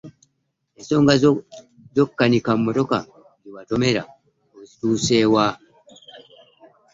Ensonga z'okukanika emmotoka gye watomera ozituuse wa?